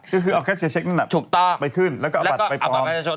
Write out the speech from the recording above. ก็คือเอาแคทเชียร์เช็คนั้นไปขึ้นแล้วก็เอาบัตรไปปลอม